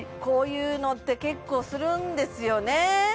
こういうのって結構するんですよね